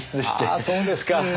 ああそうですか。